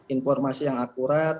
informasi yang akurat